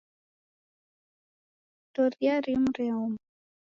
Ndoria rimu reoma